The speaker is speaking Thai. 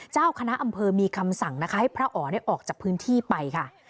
เจ้าคณะอำเภอมีคำสั่งนะคะให้พระอ๋อออกจากพื้นที่ไปค่ะ